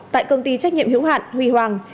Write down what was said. tại công ty trách nhiệm hữu hạn huy hoàng